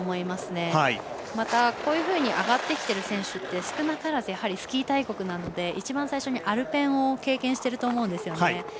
また、こういうふうに上がってきている選手って少なからず、スキー大国なので一番最初にアルペンを経験していると思うんですよね。